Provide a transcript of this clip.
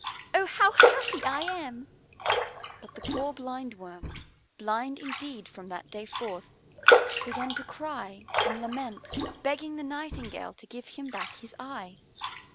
Oh, how happy I am!" But the poor Blindworm, blind indeed from that day forth, began to cry and lament, begging the Nightingale to give him back his eye.